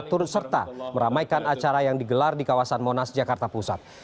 turut serta meramaikan acara yang digelar di kawasan monas jakarta pusat